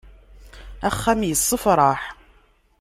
Axxam yessefraḥ.